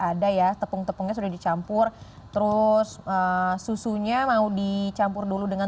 ada ya tepung tepungnya sudah dicampur terus susunya mau dicampur dulu dengan